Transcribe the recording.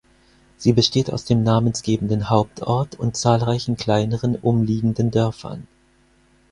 Sie besteht aus dem namensgebenden Hauptort und zahlreichen kleineren umliegenden Dörfern.